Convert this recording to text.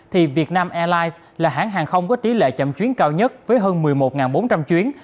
thì việt nam airlines là hãng hàng không có tỷ lệ chậm chuyến cao nhất với hơn một mươi một bốn trăm linh chuyến